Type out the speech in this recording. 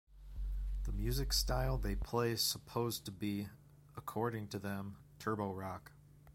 The music style they play supposed to be, according to them, "turbo rock".